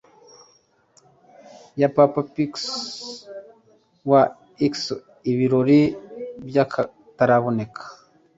ya papa piyo wa xii, ibirori by'akataraboneka